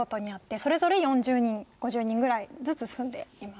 それぞれ４０人、５０人ぐらいずつ住んでいます。